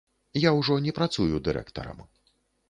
Я ўжо не працую дырэктарам.